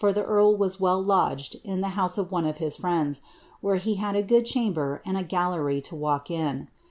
the eorl was well lodged in ihe house of one of his friends, vtben he hai! a good chamber, and a gallery lo walk in.